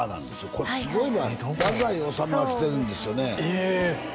ここすごいバーや太宰治が来てるんですよねえ！